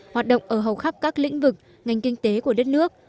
hoạt động ở hầu khắp các lĩnh vực ngành kinh tế của đất nước